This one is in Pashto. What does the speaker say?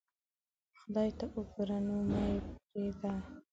خدای ته اوګوره نو مې پریدا